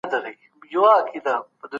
حکومت په هېواد کي د مطالعې فرهنګ پراخوي.